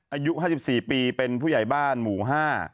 อายุ๕๔ปีเป็นผู้ใหญ่บ้านหมู่ห้า